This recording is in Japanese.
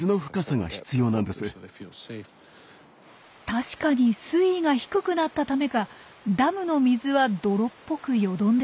確かに水位が低くなったためかダムの水は泥っぽくよどんでいます。